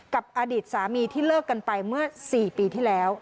กับอดีตสามีที่เลิกกันไปเมื่อ๔ปีที่แล้ว